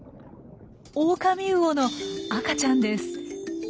オオカミウオの赤ちゃんです。